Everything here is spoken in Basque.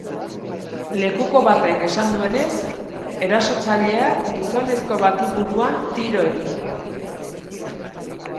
Lekuko batek esan duenez, erasotzaileak gizonezko bati buruan tiro egin dio.